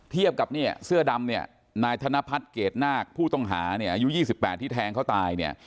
เทียบกับเสื้อดำนี่นายธนพัฒน์เกรดนาคผู้ต้องหายู๒๘ที่แทงเขาตาย